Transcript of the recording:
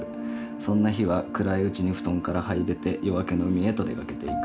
そんな日は暗いうちに布団から這い出て夜明けの海へと出掛けていく。